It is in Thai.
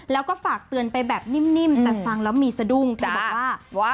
แล้วก็ฝากเตือนไปแบบนิ่มแต่ฟังแล้วมีสะดุ้งเธอบอกว่า